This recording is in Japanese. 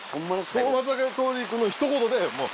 その松坂桃李君のひと言でもう